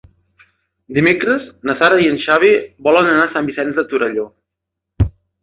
Dimecres na Sara i en Xavi volen anar a Sant Vicenç de Torelló.